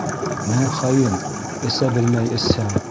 - Мә, хаин, эсә белмәй эсһәң!